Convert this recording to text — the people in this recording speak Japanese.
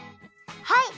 はい！